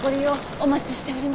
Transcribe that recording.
お待ちしております。